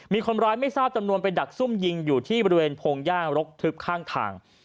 มีคนร้ายไม่ทราบจำนวนไปดักซุ่มยิงอยู่ที่บริเวณพงหญ้างรกทึบข้างทาง